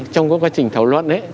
trong quá trình thảo luận ấy